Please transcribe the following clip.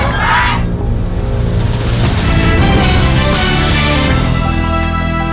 ไปรุ่นกันเลยมั้ยครับมีโอกาสรุ้น๑ล้านนะครับ